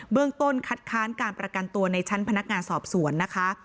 เรื่องต้นคัดค้านการประกันตัวในชั้นพนักงานสอบสวนนะคะ